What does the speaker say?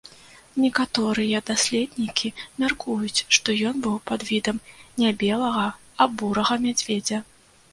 Некаторыя даследнікі мяркуюць, што ён быў падвідам не белага, а бурага мядзведзя.